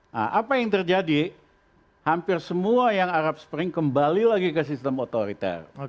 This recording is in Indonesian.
nah apa yang terjadi hampir semua yang arab spring kembali lagi ke sistem otoriter